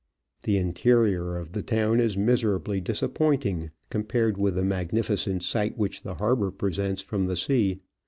The interior of the town is miserably disappointing compared with the magnificent sight which the harbour presents from the sea.